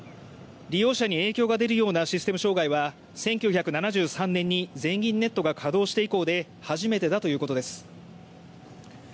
利用者に影響が出るようなシステム障害は１９７３年に全銀ネットが稼働して以降で初めてだということです。